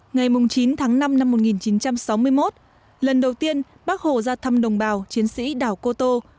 ngày chín tháng năm năm một nghìn chín trăm sáu mươi một lần đầu tiên bác hồ ra thăm đồng bào chiến sĩ đảo cô tô